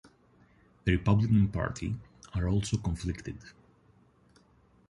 The Republican Party are also conflicted.